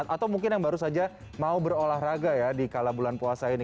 atau mungkin yang baru saja mau berolahraga ya di kala bulan puasa ini